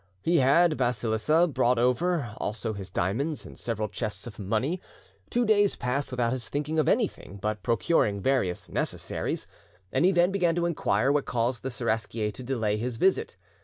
He had Basilissa brought over, also his diamonds; and several chests of money. Two days passed without his thinking of anything but procuring various necessaries, and he then began to inquire what caused the Seraskier to delay his visit.